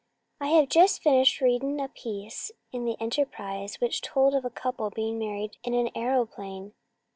"I have just finished reading a piece in the Enterprise which told of a couple being married in an aeroplane.